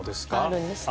あるんですね。